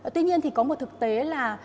tuy nhiên thì có một thực tế là